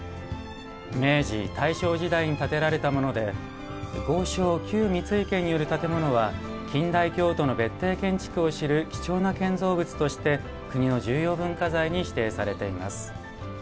明治、大正時代に建てられたもので豪商・旧三井家による建物は近代京都の別邸建築を知る貴重な建造物として国の重要文化財に指定されています。